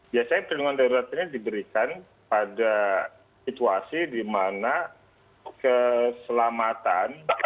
biasanya perlindungan darurat ini diberikan pada situasi dimana keselamatan